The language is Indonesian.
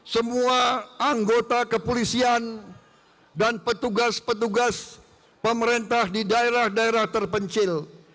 semua anggota kepolisian dan petugas petugas pemerintah di daerah daerah terpencil